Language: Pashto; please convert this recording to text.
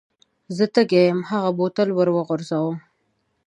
زه تږی یم هغه بوتل ور وغورځاوه.